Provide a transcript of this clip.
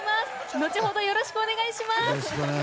後ほど、よろしくお願いします。